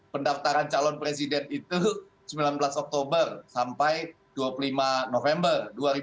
pendaftaran calon presiden itu sembilan belas oktober sampai dua puluh lima november dua ribu dua puluh